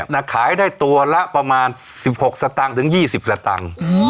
ขายได้ตัวละประมาณ๑๖สตางค์ถึง๒๐สตางค์